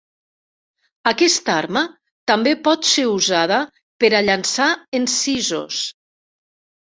Aquesta arma també pot ser usada per a llançar encisos.